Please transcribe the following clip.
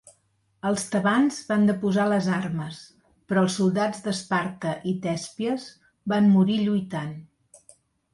Els tebans van deposar les armes però els soldats d'Esparta i Tèspies van morir lluitant.